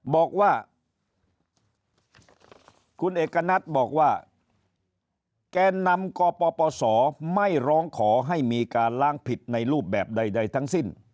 บอกว่าคุณเอกณัฐบอกว่าแกนนำกปศไม่ร้องขอให้มีการล้างผิดในรูปแบบใดทั้งสิ้น